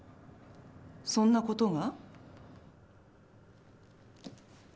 そんなことが？